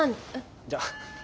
じゃあ。